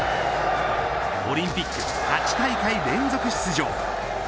オリンピック８大会連続出場